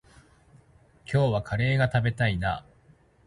今日はカレーが食べたいな。